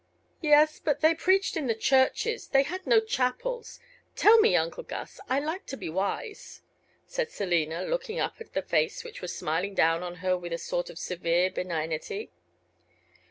Yes; but they preached in the churches; they had no chapels. Tell me, uncle Gus; I like to be wise," said Selina, looking up at the face which was smiling down on her with a sort of severe benignity.